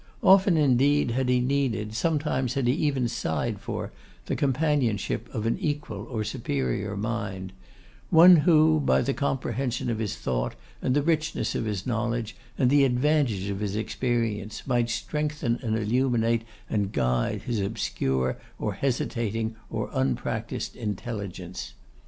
Often, indeed, had he needed, sometimes he had even sighed for, the companionship of an equal or superior mind; one who, by the comprehension of his thought, and the richness of his knowledge, and the advantage of his experience, might strengthen and illuminate and guide his obscure or hesitating or unpractised intelligence.